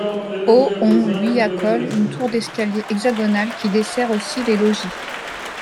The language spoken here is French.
Au on lui accole une tour d'escalier hexagonale qui dessert aussi les logis.